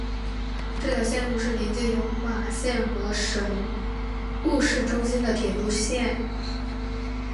这条线路是连接有马线和神户市中心的铁路线。